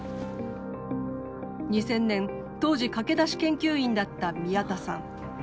２０００年当時駆け出し研究員だった宮田さん。